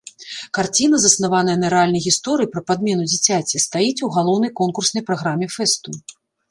Карціна, заснаваная на рэальнай гісторыі пра падмену дзіцяці, стаіць у галоўнай конкурснай праграме фэсту.